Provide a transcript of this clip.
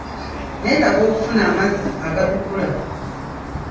Netaaga okufuna amazzi agatukula.